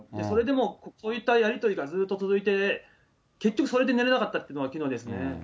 それでも、そういったやり取りがずっと続いて、結局それで寝れなかったっていうのが、きのうですね。